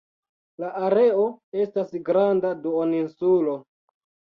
La areo estas granda duoninsulo.